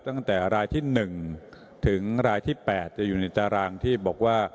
ตั้งแต่รายที่๑ถึงรายที่๘จะอยู่ในตารางที่บอกว่า